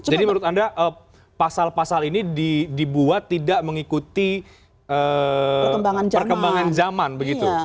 jadi menurut anda pasal pasal ini dibuat tidak mengikuti perkembangan zaman begitu